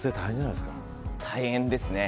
大変ですね